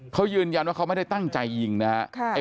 เขายืนยันว่าเขาไม่ได้ตั้งใจยิงนะครับ